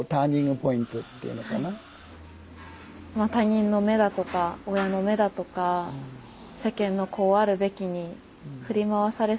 他人の目だとか親の目だとか世間の「こうあるべき」に振り回されすぎた。